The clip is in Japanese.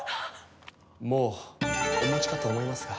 もうお持ちかと思いますが。